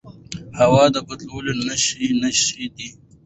هوا د بدلون نښې ښيي